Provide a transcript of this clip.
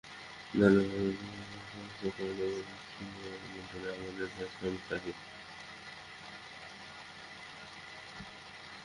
দলাদলি, দলবাঁধা, কূপমণ্ডুকের মধ্যে আমি নাই, আর যেথায় আমি থাকি।